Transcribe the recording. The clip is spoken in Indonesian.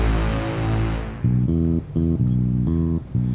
dua jam lebih